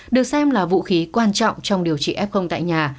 được xem là vũ khí quan trọng trong điều trị f tại nhà